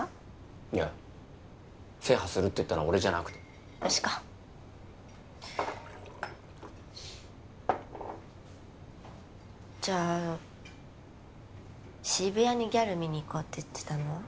いや制覇するって言ったのは俺じゃなくて私かじゃあ渋谷にギャル見にいこうって言ってたのは？